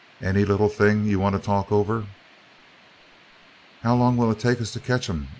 Any little thing you want to talk over?" "How long will it take us to catch 'em?"